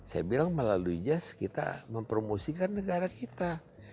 saya bilang melalui jazz kita mempromosikan negara kita